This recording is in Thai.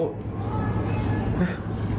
พี่พรี